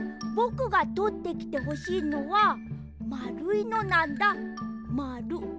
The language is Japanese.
ぼくがとってきてほしいのはまるいのなんだまる。